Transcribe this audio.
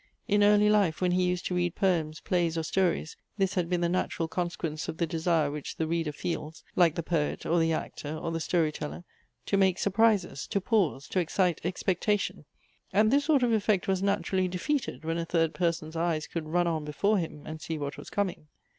In early life, when he used to read poems, plays or stories, this had been the natural conse quence of the desire which the reader feels, like the poet, or the actor, or the story teller, to make surprises, to pause, to excite expectation ; and this sort of effect was naturally defeated when a third person's eyes could run on before him, and see what was coming.